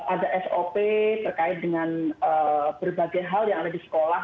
ada sop terkait dengan berbagai hal yang ada di sekolah